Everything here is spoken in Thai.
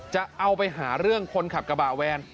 จะเอาไปหาเรื่องคนขับกระบะแวน